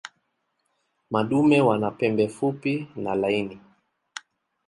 Madume wana pembe fupi na laini.